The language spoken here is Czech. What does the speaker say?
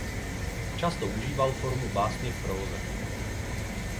Často užíval formu básně v próze.